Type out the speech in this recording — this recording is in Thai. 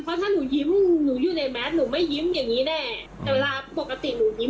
เพราะถ้าหนูยิ้มหนูอยู่ในแมสหนูไม่ยิ้มอย่างงี้แน่แต่เวลาปกติหนูยิ้ม